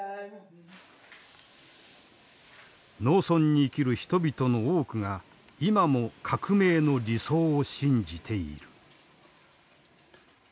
農村に生きる人々の多くが今も革命の理想を信じている。